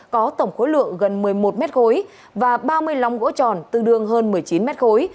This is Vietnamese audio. có tổng khối lượng gần một mươi một mét khối và ba mươi năm gỗ tròn tương đương hơn một mươi chín mét khối